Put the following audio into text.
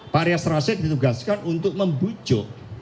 pak rias rashid ditugaskan untuk membujuk